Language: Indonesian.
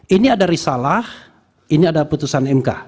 ini ada risalah ini ada putusan mk